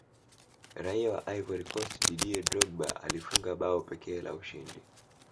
raia wa ivory coast didier drogba alifunga bao pekee la ushindi